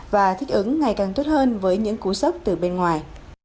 và thích ứng ngày càng tốt hơn với những cú sốc từ bên ngoài